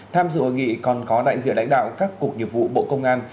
tham dự hội nghị còn có đại diện đánh đạo các cuộc nhiệm vụ bộ công an